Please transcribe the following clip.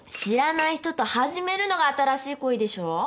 知らない人と始めるのが新しい恋でしょ。